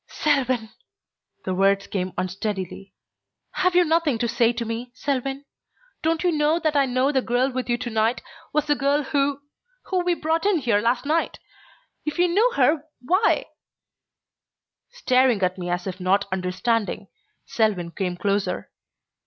"Selwyn!" The words came unsteadily. "Have you nothing to say to me, Selwyn? Don't you know that I know the girl with you to night was the girl who who we brought in here last night? If you knew her, why " Staring at me as if not understanding, Selwyn came closer.